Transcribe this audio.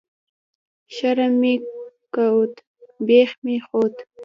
شرم مې کوت ، بيخ مې خوت